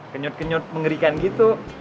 kenyut kenyut mengerikan gitu